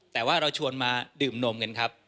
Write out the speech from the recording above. แต่ว่าเราชวนมาดื่มนมกันครับ